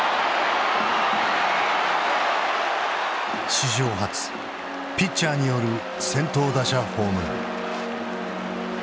史上初ピッチャーによる先頭打者ホームラン。